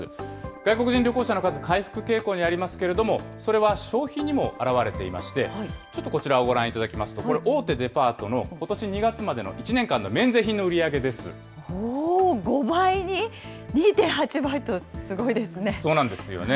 外国人旅行者の数、回復傾向にありますけれども、それは消費にも表れていまして、ちょっとこちらをご覧いただきますと、これ、大手デパートのことし２月までの１５倍に、２．８倍と、すごいそうなんですよね。